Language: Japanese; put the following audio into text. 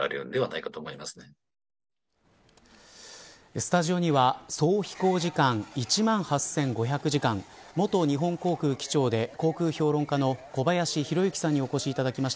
スタジオには総飛行時間１万８５００時間元日本航空機長で航空評論家の小林宏之さんにお越しいただきました。